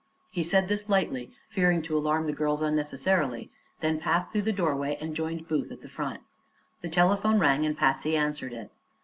He said this lightly, fearing to alarm the girls unnecessarily, and then passed through the doorway and joined Booth at the front. The telephone rang and Patsy answered it.